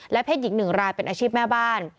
เพศหญิง๑รายเป็นอาชีพแม่บ้าน